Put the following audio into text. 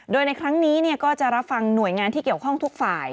โดยในครั้งนี้ก็จะรับฟังหน่วยงานที่เกี่ยวข้องทุกฝ่าย